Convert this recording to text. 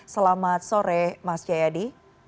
selamat sore mas jayadi